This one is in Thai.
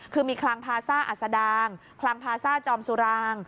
คือมีคลังพาซ่าอัศดางคลังพาซ่าจอมสุราง